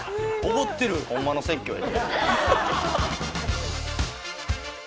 ホンマの説教や。